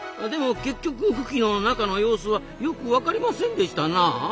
でも結局群来の中の様子はよく分かりませんでしたなあ。